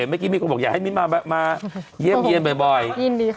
เมื่อกี้มีคนบอกอยากให้มิ้นมาเยี่ยมเยี่ยมบ่อยยินดีค่ะ